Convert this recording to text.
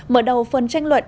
mở đầu phần tranh luận